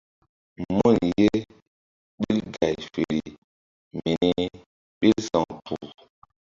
Mun ye ɓil gay feri mini ɓil sa̧w kpuh.